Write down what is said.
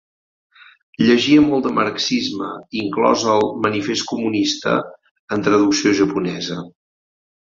Llegia molt de marxisme, inclòs el "Manifest comunista", en traducció japonesa.